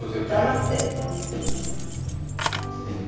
黙って。